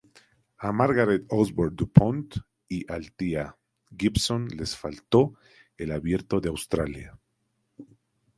A Margaret Osborne duPont y Althea Gibson les faltó el Abierto de Australia.